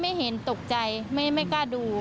ไม่เห็นตกใจไม่กล้าดู